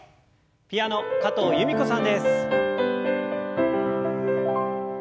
ピアノ加藤由美子さんです。